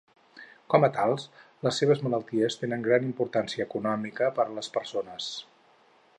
Com a tals, les seves malalties tenen gran importància econòmica per a les persones.